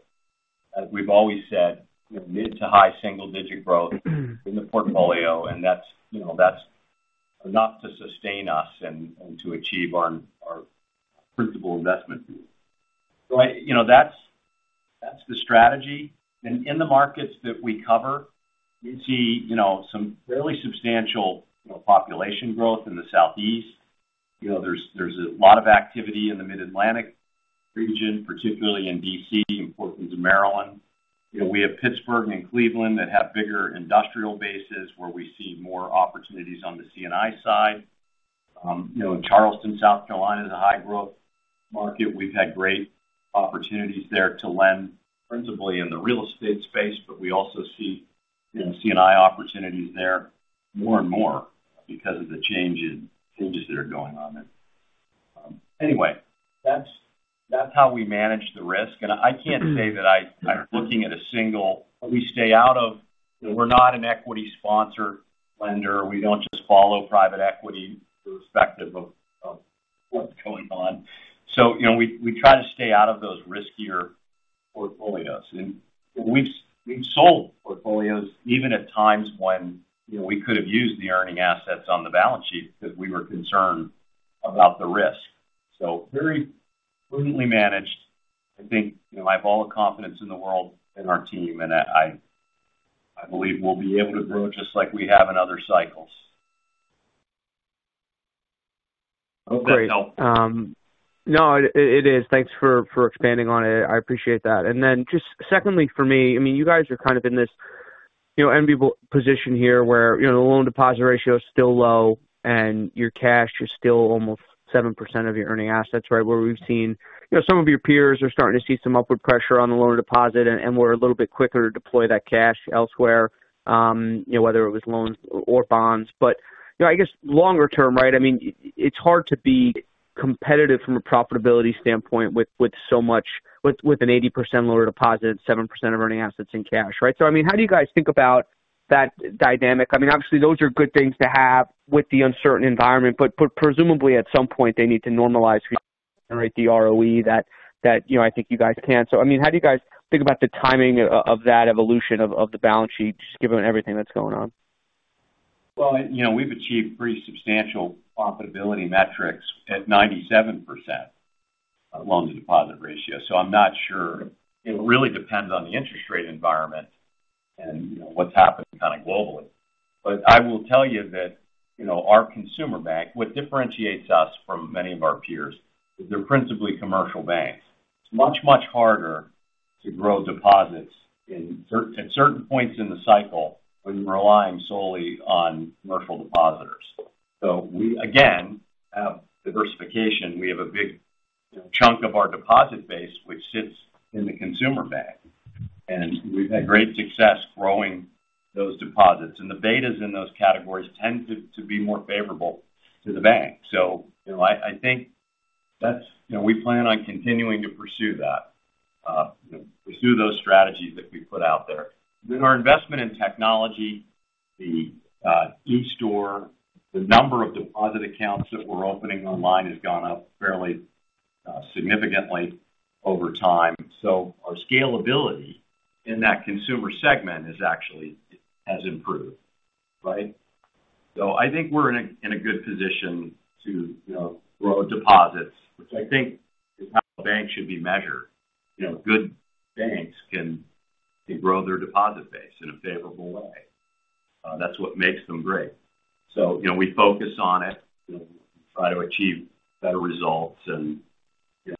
as we've always said, mid- to high-single-digit growth in the portfolio, and that's enough to sustain us and to achieve our principal investment goals. That's the strategy. In the markets that we cover, we see, fairly substantial, you know, population growth in the Southeast. There's a lot of activity in the Mid-Atlantic region, particularly in D.C., in portions of Maryland. We have Pittsburgh and Cleveland that have bigger industrial bases where we see more opportunities on the C&I side. Charleston, South Carolina is a high growth market. We've had great opportunities there to lend principally in the real estate space, but we also see C&I opportunities there more and more because of the changes that are going on there. Anyway, that's how we manage the risk. I can't say that I'm looking at a single. We stay out of. We're not an equity sponsor lender. We don't just follow private equity irrespective of what's going on. We try to stay out of those riskier portfolios. We've sold portfolios even at times when, we could have used the earning assets on the balance sheet because we were concerned about the risk. Very prudently managed. I think, I have all the confidence in the world in our team, and I believe we'll be able to grow just like we have in other cycles. Great. Hope that helped. No, it is. Thanks for expanding on it. I appreciate that. Just secondly for me, I mean, you guys are kind of in this, enviable position here where, you know, the loan-to-deposit ratio is still low and your cash is still almost 7% of your earning assets, right? Where we've seen, some of your peers are starting to see some upward pressure on the loan-to-deposit and were a little bit quicker to deploy that cash elsewhere, whether it was loans or bonds. I guess longer term, right, I mean, it's hard to be competitive from a profitability standpoint with so much, with an 80% loan-to-deposit, 7% of earning assets in cash, right? I mean, how do you guys think about that dynamic? I mean, obviously, those are good things to have with the uncertain environment. Presumably at some point they need to normalize, right, the ROE that, I think you guys can. I mean, how do you guys think about the timing of that evolution of the balance sheet just given everything that's going on? Well, we've achieved pretty substantial profitability metrics at 97% loan-to-deposit ratio, so I'm not sure. It really depends on the interest rate environment and, you know, what's happening kind of globally. I will tell you that, our consumer bank, what differentiates us from many of our peers is they're principally commercial banks. It's much, much harder to grow deposits at certain points in the cycle when you're relying solely on commercial depositors. We, again, have diversification. We have a big chunk of our deposit base which sits in the consumer bank, and we've had great success growing those deposits. The betas in those categories tend to be more favorable to the bank. I think that's, we plan on continuing to pursue that, you know, pursue those strategies that we put out there. With our investment in technology, the eStore, the number of deposit accounts that we're opening online has gone up fairly significantly over time. Our scalability in that consumer segment has actually improved, right? I think we're in a good position to grow deposits, which I think is how a bank should be measured. You know, good banks can grow their deposit base in a favorable way. That's what makes them great. You know, we focus on it, try to achieve better results and,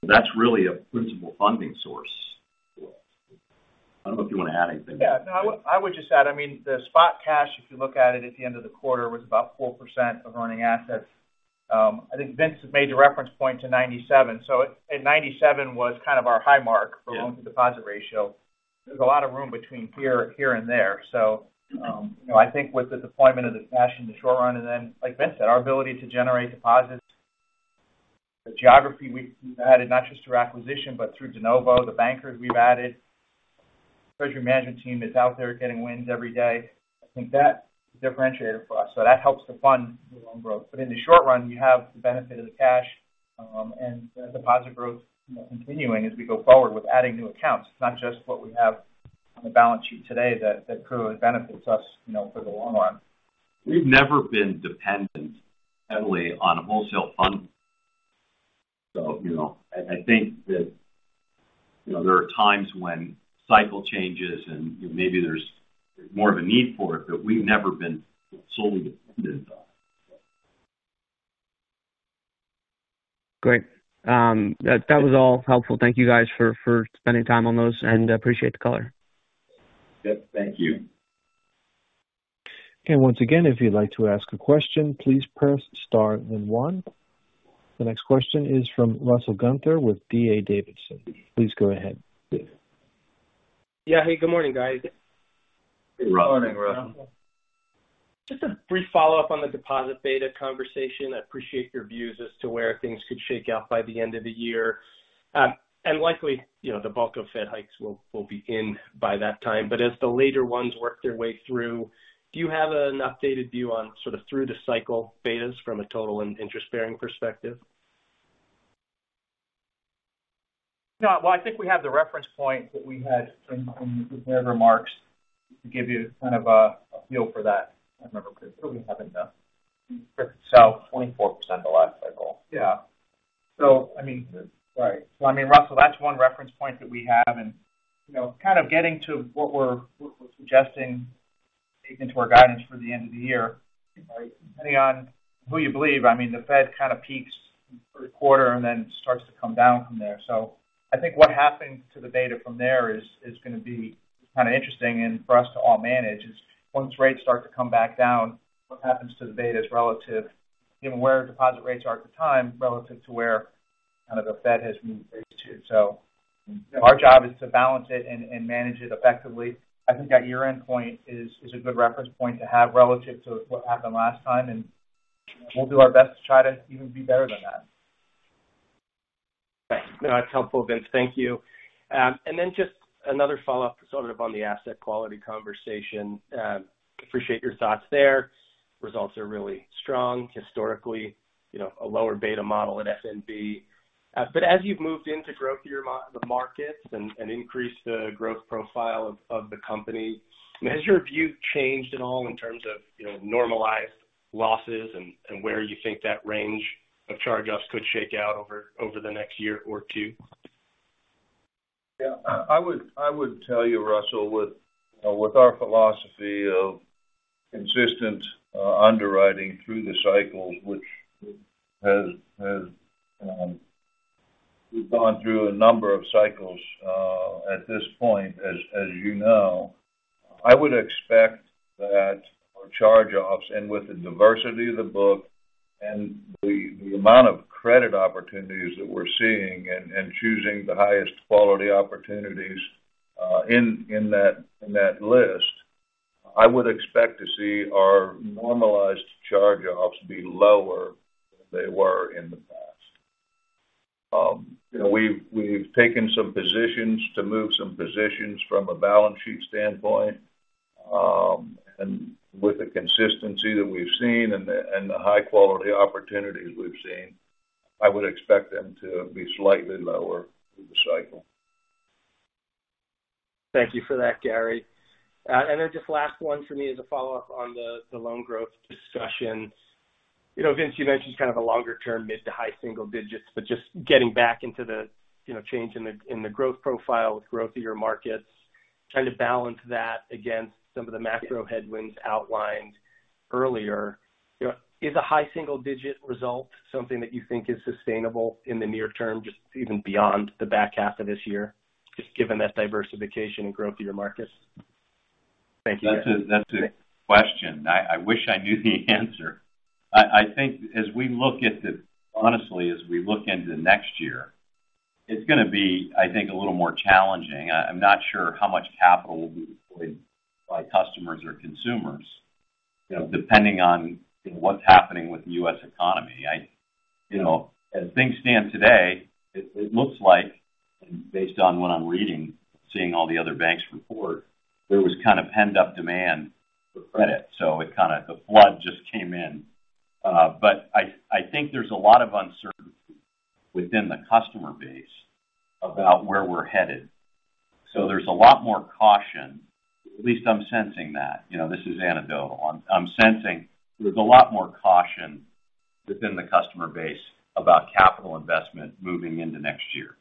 that's really a principal funding source. If you want to add anything. Yeah, no, I would just add, I mean, the spot cash, if you look at it at the end of the quarter, was about 4% of earning assets. I think Vince made the level reached at approximately 97 basis points was kind of our high-water mark. Yeah For loan-to-deposit ratio. There's a lot of room between here and there. I think with the deployment of the cash in the short run, and then like Vince said, our ability to generate deposits, the geography we've added, not just through acquisition, but through de novo, the bankers we've added. Treasury management team is out there getting wins every day. I think that differentiator for us. That helps to fund the loan growth. In the short run, you have the benefit of the cash, and the deposit growth, continuing as we go forward with adding new accounts. It's not just what we have on the balance sheet toda that could benefit us, for the long run. We've never been dependent heavily on a wholesale fund. I think that, there are times when cycle changes and maybe there's more of a need for it, but we've never been solely dependent on it. Great. That was all helpful. Thank you guys for spending time on those, and I appreciate the color. Yes, thank you. Once again, if you'd like to ask a question, please press star then one. The next question is from Russell Gunther with D.A. Davidson. Please go ahead. Yeah. Hey, good morning, guys. Good morning, Russell. Morning, Russell. Just a brief follow-up on the deposit beta conversation. I appreciate your views as to where things could shake out by the end of the year. Likely, you know, the bulk of Fed hikes will be in by that time. As the later ones work their way through, do you have an updated view on sort of through the cycle betas from a total and interest bearing perspective? No. Well, I think we have the reference points that we had from prepared remarks to give you kind of a feel for that. I remember because it really happened then. 24% the last cycle. Yeah. I mean. Right. I mean, Russell, that's one reference point that we have and, you know, kind of getting to what we're suggesting into our guidance for the end of the year. Depending on who you believe, I mean, the Fed kind of peaks Q3 and then starts to come down from there. I think what happens to the beta from there is going to be kind of interesting and for us to all manage is once rates start to come back down, what happens to the betas relative, given where deposit rates are at the time, relative to where kind of the Fed has moved rates to. Our job is to balance it and manage it effectively. I think that your endpoint is a good reference point to have relative to what happened last time, and we'll do our best to try to even be better than that. Thanks. No, that's helpful, Vince. Thank you. Just another follow-up sort of on the asset quality conversation. Appreciate your thoughts there. Results are really strong historically, a lower beta model at F.N.B.. As you've moved in to grow through the markets and increase the growth profile of the company, has your view changed at all in terms of, normalized losses and where you think that range of charge-offs could shake out over the next year or two? Yeah. I would tell you, Russell, with our philosophy of consistent underwriting through the cycles, which we've gone through a number of cycles at this point. I would expect that our charge-offs and with the diversity of the book and the amount of credit opportunities that we're seeing and choosing the highest quality opportunities in that list, I would expect to see our normalized charge-offs be lower than they were in the past. We've taken some positions to move some positions from a balance sheet standpoint. With the consistency that we've seen and the high-quality opportunities we've seen, I would expect them to be slightly lower through the cycle. Thank you for that, Gary. Just last one for me is a follow-up on the loan growth discussion. Vince, you mentioned kind of a longer term mid to high single digits, but just getting back into the, change in the growth profile with growth of your markets, trying to balance that against some of the macro headwinds outlined earlier. Is a high single digit result something that you think is sustainable in the near term, just even beyond the back half of this year, just given that diversification and growth of your markets? Thank you. That's a question. I wish I knew the answer. I think honestly, as we look into next year, it's going to be, I think, a little more challenging. I'm not sure how much capital will be deployed by customers or consumers, you know, depending on what's happening with the U.S. economy. You know, as things stand today, it looks like, based on what I'm reading, seeing all the other banks report, there was kind of pent-up demand for credit. So it kind of the flood just came in. But I think there's a lot of uncertainty within the customer base about where we're headed. So there's a lot more caution. At least I'm sensing that. This is anecdotal. I'm sensing there's a lot more caution within the customer base about capital investment moving into next year.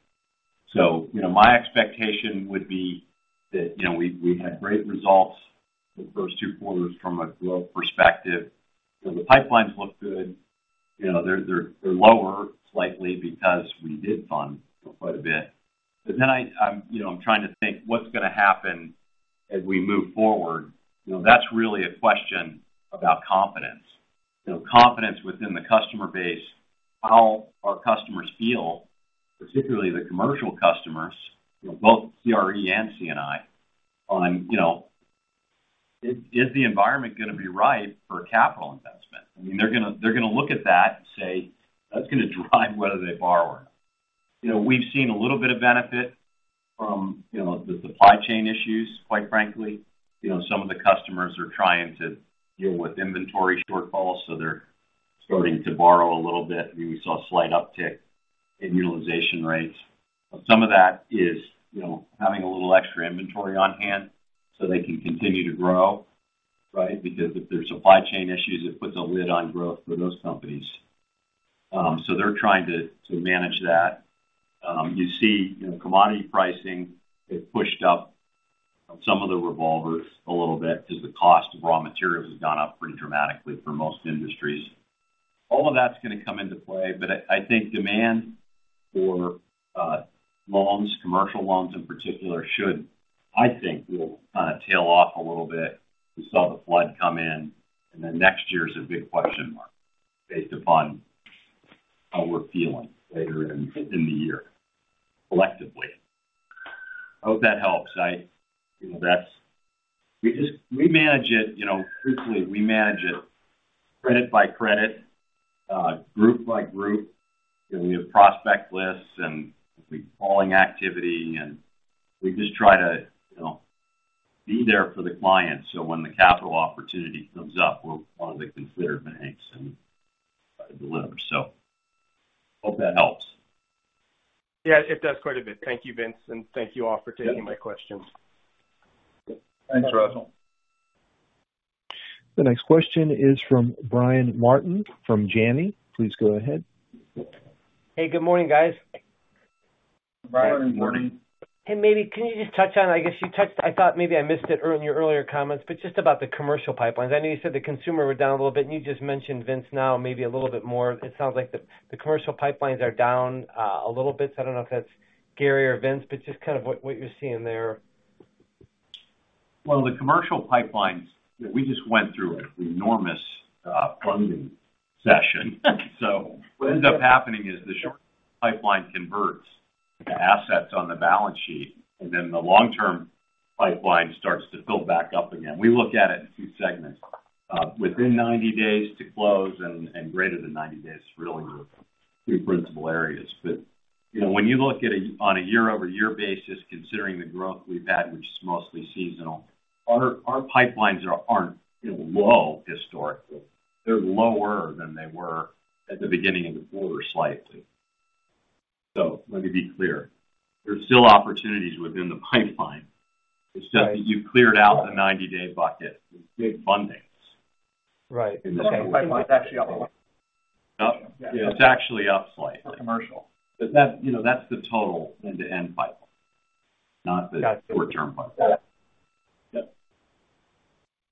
My expectation would be that, we had great results the first two quarters from a growth perspective. The pipelines look good. They're lower slightly because we did fund for quite a bit. I'm trying to think what's gonna happen as we move forward. That's really a question about confidence. Confidence within the customer base, how our customers feel, particularly the commercial customers, you know, both CRE and C&I, is the environment gonna be right for capital investment? I mean, they're gonna look at that and say, that's gonna drive whether they borrow. We've seen a little bit of benefit from, the supply chain issues, quite frankly. Some of the customers are trying to deal with inventory shortfalls, so they're starting to borrow a little bit. We saw a slight uptick in utilization rates. Some of that is, you know, having a little extra inventory on hand so they can continue to grow, right? Because if there's supply chain issues, it puts a lid on growth for those companies. They're trying to manage that. You see, commodity pricing has pushed up some of the revolvers a little bit because the cost of raw materials has gone up pretty dramatically for most industries. All of that's gonna come into play, but I think demand for loans, commercial loans in particular, should, I think, will kind of tail off a little bit. We saw the flood come in, and then next year's a big question mark based upon how we're feeling later in the year, collectively. I hope that helps. You know, that's. We just manage it, you know, truthfully, we manage it credit by credit, group by group. You know, we have prospect lists and complete calling activity, and we just try to, you know, be there for the clients so when the capital opportunity comes up, we're one of the considered banks and try to deliver. Hope that helps. Yeah, it does quite a bit. Thank you, Vince, and thank you all for taking my questions. Thanks, Russell. The next question is from Brian Martin from Janney. Please go ahead. Hey, good morning, guys. Brian, good morning. Maybe can you just touch on it. I thought maybe I missed it earlier in your earlier comments, but just about the commercial pipelines. I know you said the consumer were down a little bit, and you just mentioned, Vince, now maybe a little bit more. It sounds like the commercial pipelines are down a little bit. I don't know if that's Gary or Vince, but just kind of what you're seeing there. Well, the commercial pipelines, we just went through an enormous funding session. What ends up happening is the short pipeline converts the assets on the balance sheet, and then the long-term pipeline starts to fill back up again. We look at it in two segments, within 90 days to close and greater than 90 days, really the two principal areas. You know, when you look at it on a year-over-year basis, considering the growth we've had, which is mostly seasonal, our pipelines aren't low historically. They're lower than they were at the beginning of the quarter, slightly. Let me be clear. There's still opportunities within the pipeline. Right. It's just that you cleared out the 90-day bucket with big fundings. Right. The commercial pipeline is actually up a little. Up. It's actually up slightly. For commercial. that, you know, that's the total end-to-end pipeline, not the- Got it. short-term pipeline.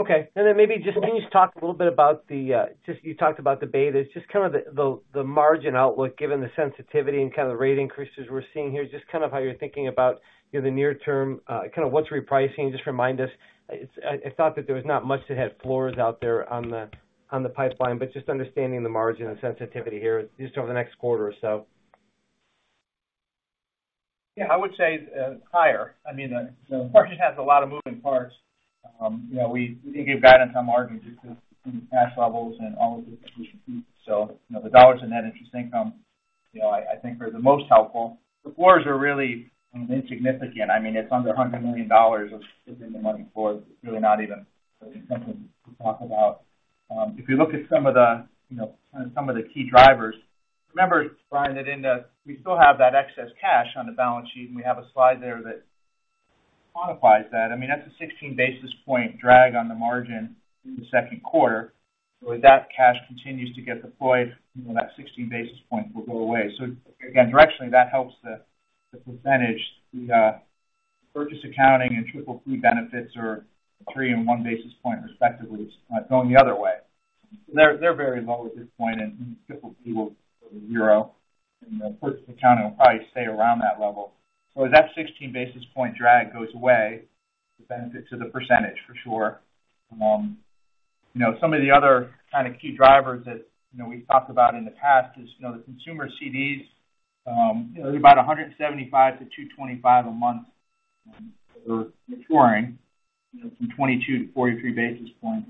Yeah. Okay. Maybe just can you just talk a little bit about the just you talked about the betas, just kind of the margin outlook, given the sensitivity and kind of the rate increases we're seeing here. Just kind of how you're thinking about, you know, the near term, kind of what's repricing. Just remind us. It's I thought that there was not much that had floors out there on the pipeline, but just understanding the margin and sensitivity here just over the next quarter or so. Yeah. I would say higher. I mean, the market has a lot of moving parts. You know, we give guidance on margins due to some cash levels and all of the competing fees. So, you know, the dollars in net interest income, I think are the most helpful. The floors are really insignificant. I mean, it's under $100 million of sitting the money for us. It's really not even something to talk about. If you look at some of the key drivers. Remember, Brian, that we still have that excess cash on the balance sheet, and we have a slide there that quantifies that. I mean, that's a 16 basis point drag on the margin in the second quarter. As that cash continues to get deployed, that 16 basis points will go away. Again, directionally, that helps the percentage. The purchase accounting and PPP fee benefits are 3 basis points and 1 basis point respectively. It's going the other way. They're very low at this point, and PPP fee will go to zero, and the purchase accounting will probably stay around that level. As that 16 basis point drag goes away, the benefit to the percentage for sure. You know, some of the other kind of key drivers that, you know, we've talked about in the past is, you know, the consumer CDs, about 175-225 a month are maturing, from 22 basis points to 43 basis points.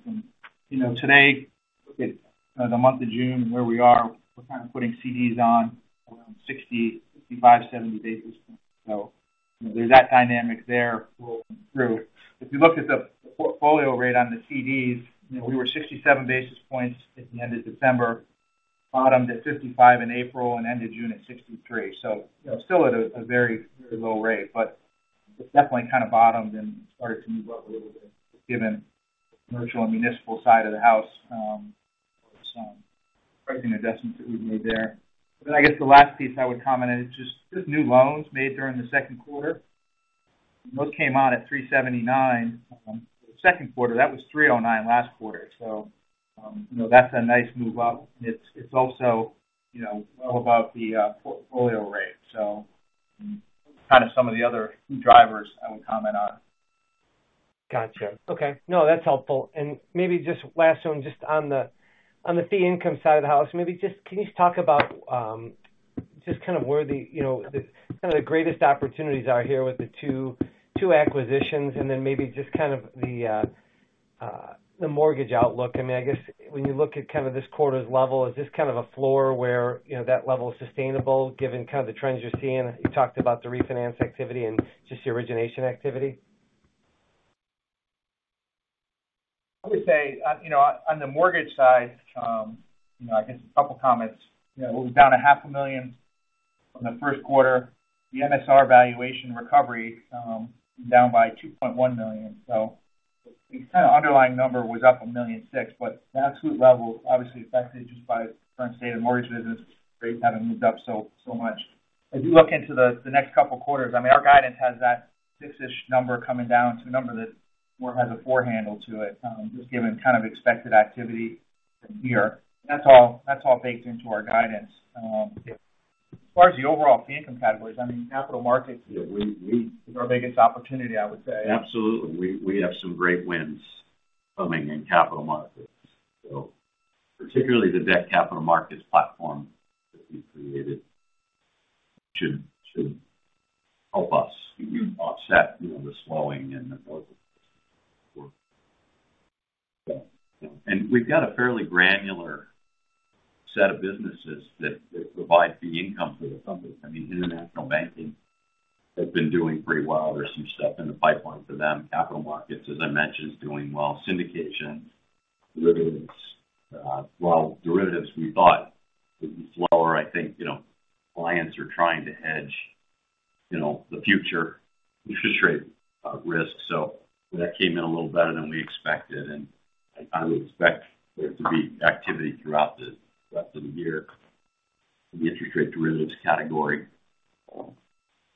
Today, look at the month of June and where we are, we're kind of putting CDs on around 60 basis points and 70 basis points. There's that dynamic there rolling through. If you look at the portfolio rate on the CDs, you know, we were 67 basis points at the end of December, bottomed at 55 basis points in April and ended June at 63 basis points. Still at a very low rate, but it's definitely kind of bottomed and started to move up a little bit given the commercial and municipal side of the house with some pricing adjustments that we've made there. I guess the last piece I would comment is just new loans made during the second quarter. Those came out at 3.79% second quarter. That was 3.09% last quarter. You know, that's a nice move up. It's also, all about the portfolio rate. Kind of some of the other key drivers I would comment on. Gotcha. Okay. No, that's helpful. Maybe just last one, just on the, on the fee income side of the house, maybe just can you just talk about, just kind of where the, you know, the, kind of the greatest opportunities are here with the two acquisitions and then maybe just kind of the mortgage outlook. I mean, I guess when you look at kind of this quarter's level, is this kind of a floor where, that level is sustainable given kind of the trends you're seeing? You talked about the refinance activity and just the origination activity. I would say, on the mortgage side,I guess a couple comments. You know, we're down $0.5 million from the first quarter. The MSR valuation recovery, down by $2.1 million. So the kind of underlying number was up $1.6 million. But the absolute level obviously affected just by current state of the mortgage business rates kind of moved up so much. If you look into the next couple of quarters, I mean, our guidance has that six-ish number coming down to a number that more has a four handle to it, just given kind of expected activity from here. That's all baked into our guidance. As far as the overall fee income categories, I mean, capital markets is our biggest opportunity, I would say. Absolutely. We have some great wins coming in capital markets. Particularly the debt capital markets platform that we've created should help us offset, you know, the slowing in the local system. We've got a fairly granular set of businesses that provide fee income for the company. I mean, international banking has been doing pretty well. There's some stuff in the pipeline for them. Capital markets, as I mentioned, is doing well. Syndications, derivatives. Well, derivatives we bought slower, I think. Clients are trying to hedge, you know, the future interest rate risk. That came in a little better than we expected, and I would expect there to be activity throughout the year in the interest rate derivatives category.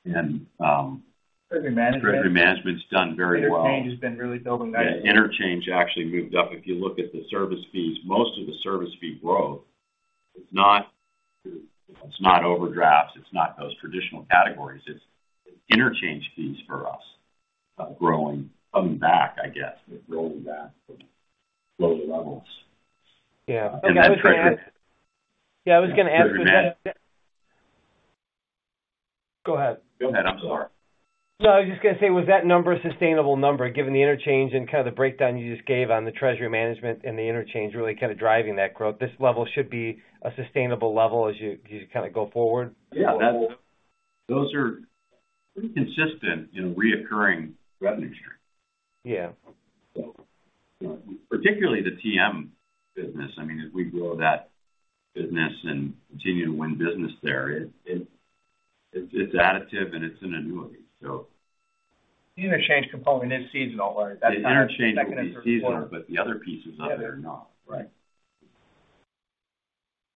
Treasury management. Treasury management's done very well. Interchange has been really building nicely. Yeah, interchange actually moved up. If you look at the service fees, most of the service fee growth is not overdrafts. It's not those traditional categories. It's interchange fees for us, growing, coming back, I guess. It's growing back from low levels. Yeah. And that's- Yeah, I was going to ask. Go ahead. Go ahead. I'm sorry. No, I was just gonna say, was that number a sustainable number given the interchange and kind of the breakdown you just gave on the treasury management and the interchange really kind of driving that growth? This level should be a sustainable level as you kind of go forward? Yeah. Those are pretty consistent in recurring revenue stream. Yeah. Particularly the TM business. I mean, as we grow that business and continue to win business there, it's additive and it's an annuity. The interchange component is seasonal, right? That's kind of. The interchange will be seasonal, but the other pieces of it are not. Right.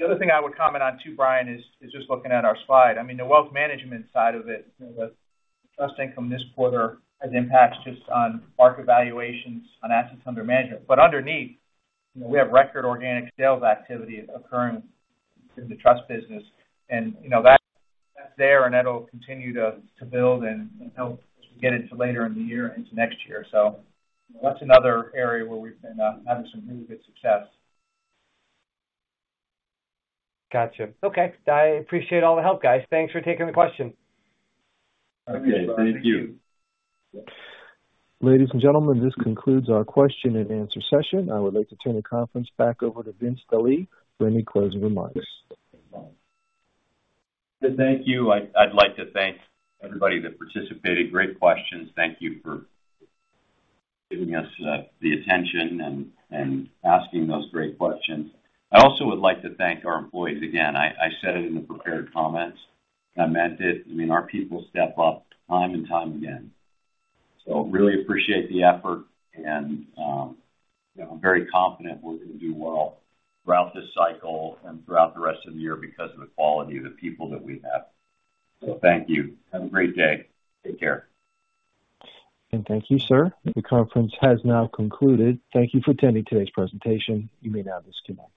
The other thing I would comment on too, Brian, is just looking at our slide. I mean, the wealth management side of it, the trust income this quarter has impacts just on market valuations, on assets under management. Underneath, you know, we have record organic sales activity occurring in the trust business. That's there, and that'll continue to build and help get into later in the year into next year. That's another area where we've been having some really good success. Gotcha. Okay. I appreciate all the help, guys. Thanks for taking the question. Okay. Thank you. Ladies and gentlemen, this concludes our question and answer session. I would like to turn the conference back over to Vince Delie for any closing remarks. Thank you. I'd like to thank everybody that participated. Great questions. Thank you for giving us the attention and asking those great questions. I also would like to thank our employees. Again, I said it in the prepared comments. I meant it. I mean, our people step up time and time again. Really appreciate the effort, and you know, I'm very confident we're going to do well throughout this cycle and throughout the rest of the year because of the quality of the people that we have. Thank you. Have a great day. Take care. Thank you, sir. The conference has now concluded. Thank you for attending today's presentation. You may now disconnect.